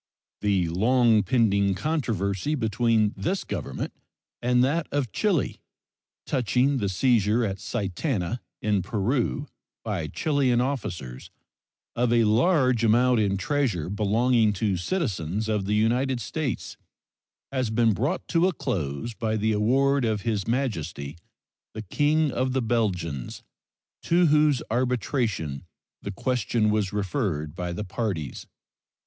The long pending controversy between this Government and that of Chile touching the seizure at Sitana, in Peru, by Chilean officers, of a large amount in treasure belonging to citizens of the United States has been brought to a close by the award of His Majesty the King of the Belgians, to whose arbitration the question was referred by the parties.